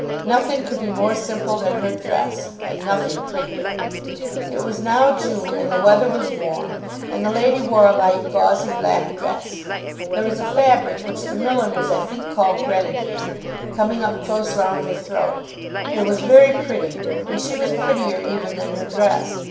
Nothing could be more simple than her dress, and nothing prettier. It was now June, and the weather was warm, and the lady wore a light gauzy black dress, there is a fabric which the milliners I think call grenadine, coming close up round her throat. It was very pretty, and she was prettier even than her dress.